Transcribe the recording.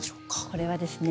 これはですね